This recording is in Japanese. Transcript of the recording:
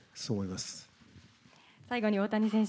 最後に大谷選手